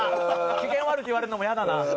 機嫌悪いって言われるのもやだな。